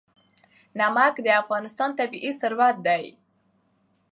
نمک د افغانستان طبعي ثروت دی.